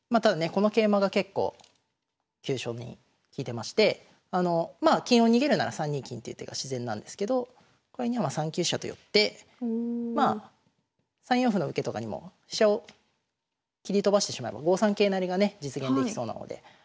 この桂馬が結構急所に利いてましてまあ金を逃げるなら３二金という手が自然なんですけどこれには３九飛車と寄って３四歩の受けとかにも飛車を切り飛ばしてしまえば５三桂成がね実現できそうなので。